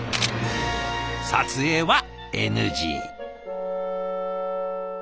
撮影はＮＧ。